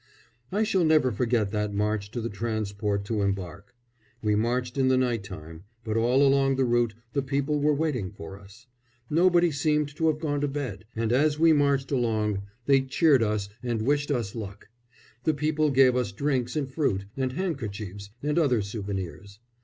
I shall never forget that march to the transport to embark. We marched in the night time, but all along the route the people were waiting for us. Nobody seemed to have gone to bed, and as we marched along they cheered us and wished us luck. The people gave us drinks, and fruit, and handkerchiefs, and other souvenirs.